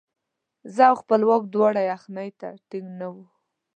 زه او خپلواک دواړه یخنۍ ته ټینګ نه وو.